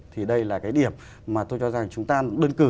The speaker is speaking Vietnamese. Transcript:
thì đây là cái điểm mà tôi cho rằng chúng ta đơn cử